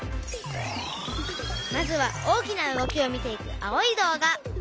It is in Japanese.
まずは大きな動きを見ていく青い動画。